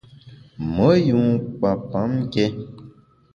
Me yun kpa pam nké.